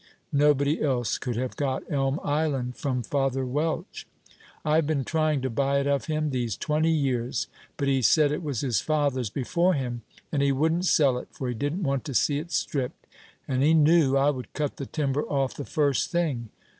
Nobody else could have got Elm Island from Father Welch. I have been trying to buy it of him these twenty years; but he said it was his father's before him, and he wouldn't sell it, for he didn't want to see it stripped; and he knew I would cut the timber off the first thing.